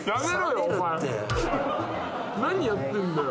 何やってんだよ。